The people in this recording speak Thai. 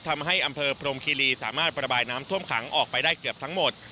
ทำให้อำเภอพรมคีรีสามารถประบายน้ำท่วมขังออกไปได้เกือบทั้งหมด